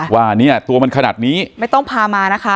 ว่าเนี่ยตัวมันขนาดนี้ไม่ต้องพามานะคะ